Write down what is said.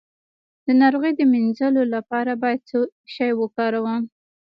د ناروغۍ د مینځلو لپاره باید څه شی وکاروم؟